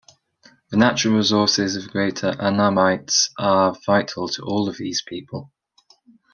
The natural resources of the Greater Annamites are vital to all of these people.